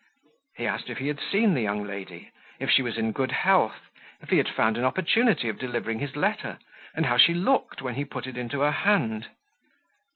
He asked if he had seen the young lady, if she was in good health, if he had found an opportunity of delivering his letter, and how she looked, when he put it into her hand?